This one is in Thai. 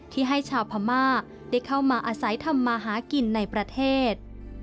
ที่ให้ชาวพม่าได้เข้ามาอาศัยทำมาหากินในประเทศ